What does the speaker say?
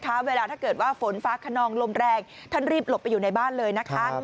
เวลาถ้าเกิดว่าฝนฟ้าขนองลมแรงท่านรีบหลบไปอยู่ในบ้านเลยนะคะ